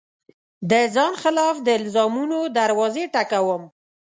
د ځان خلاف د الزامونو دروازې ټک وم